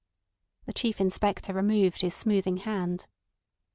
The Chief Inspector removed his smoothing hand.